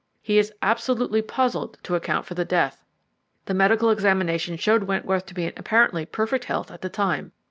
He is absolutely puzzled to account for the death. The medical examination showed Wentworth to be in apparently perfect health at the time.